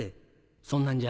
そんなんじゃ